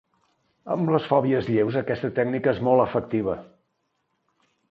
Amb les fòbies lleus aquesta tècnica és molt efectiva.